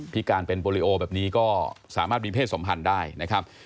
พิการเป็นโปรลิโอแบบนี้ก็สามารถมีเพศสมพันธ์ได้นะครับ